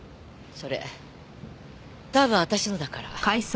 それ多分私のだから。